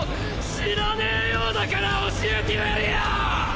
知らねェようだから教えてやるよ！